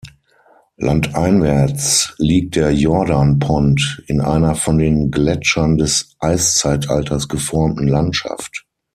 Landeinwärts liegt der Jordan Pond in einer von den Gletschern des Eiszeitalters geformten Landschaft.